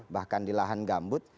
bahkan di lahan gambut